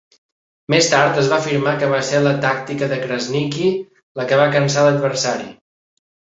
Més tard es va afirmar que va ser la tàctica de Krasniqi la que va cansar l'adversari.